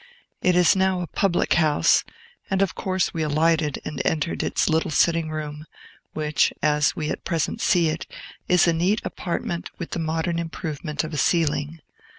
It is now a public house; and, of course, we alighted and entered its little sitting room, which, as we at present see it, is a neat apartment, with the modern improvement of a ceiling.